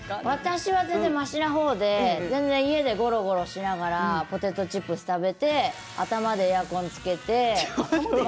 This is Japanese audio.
私は全然ましなほうで家でごろごろしながらポテトチップス食べて頭でエアコンつけて。